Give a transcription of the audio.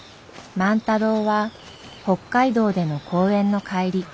万太郎は北海道での講演の帰り